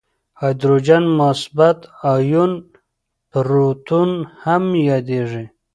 د هایدروجن مثبت آیون پروتون هم یادیږي.